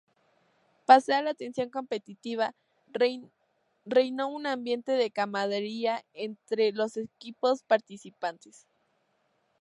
Pese a la tensión competitiva, reinó un ambiente de camaradería entre los equipos participantes.